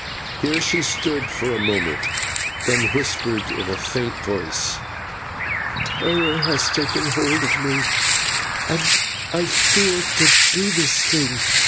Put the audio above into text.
Here she stood for a moment, then whispered in a faint voice: "Terror has taken hold of me, and I fear to do this thing."